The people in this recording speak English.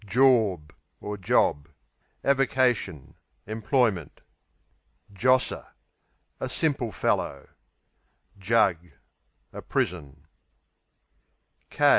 Jorb (Job) Avocation; employment. Josser A simple fellow. Jug A prison.